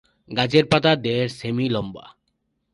গাছের পাতা দেড় সেমি লম্বা।